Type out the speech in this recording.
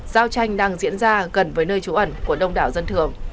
giao tranh đang diễn ra gần với nơi trú ẩn của đông đảo dân thường